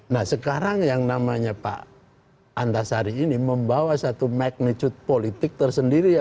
nah sekarang yang namanya pak antasari ini membawa satu magnitude politik tersendiri